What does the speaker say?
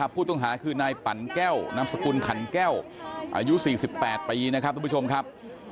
ผู้ต้องหาคือนายปั่นแก้วนามสกุลขันแก้วอายุ๔๘ปีนะครับทุกผู้ชมครับ